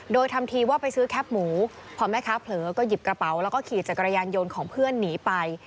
โดยทำทีว่าไปซื้อแคปหมูพอแม่ค้าเผลอก็หยิบกระเป๋าแล้วก็ขี่จักรยานยนต์ของเพื่อนหนีไป